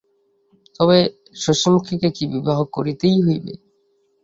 তবে শশিমুখীকে কি বিবাহ করিতেই হইবে?